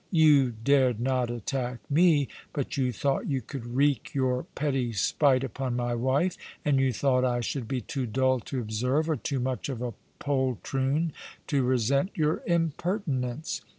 You dared not attack me ; but you thought you could wreak your petty spite upon my wife — and you thought I should be too dull to observe, or too much of a poltroon to resent your impertinence.